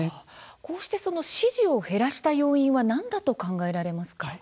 こうして支持を減らした要因は何だと考えられますか。